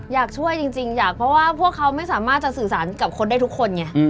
อยากช่วยจริงอยากเพราะว่าพวกเขาไม่สามารถจะสื่อสารกับคนได้ทุกคนไง